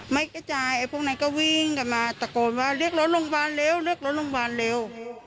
ไม่กระจายไอ้พวกนั้นก็วิ่งกันมาตะโกนว่าเรียกรถโรงพยาบาลเร็วเรียกรถโรงพยาบาลเร็ว